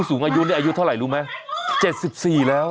สูงอายุนี่อายุเท่าไหร่รู้ไหม๗๔แล้ว